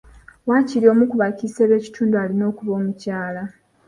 Waakiri omu ku bakiise b'ekitundu alina okuba omukyala.